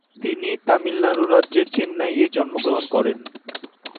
তিনি তামিলনাড়ু রাজ্যের চেন্নাইয়ে জন্মগ্রহণ করেন।